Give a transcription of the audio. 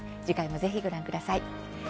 次回もぜひご覧ください。